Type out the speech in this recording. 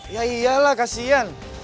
ya iyalah kasian